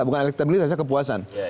bukan elektabilitasnya kepuasan